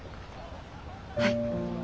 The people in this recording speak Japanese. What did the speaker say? はい。